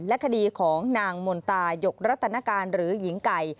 และคดีของนางมนตายกรัตนการหรือหญิงไก่